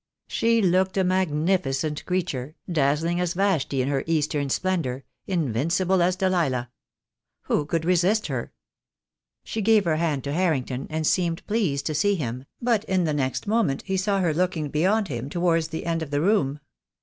She looked a magnificent creature, dazzling as Yashti in her Eastern splendour, invincible as Dalilah. Who could resist her? She gave her hand to Harrington, and seemed pleased to see him, but in the next moment he saw her looking beyond him towards the end of the room.